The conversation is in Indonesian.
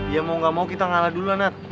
ya mau gak mau kita ngalah dulu lah nat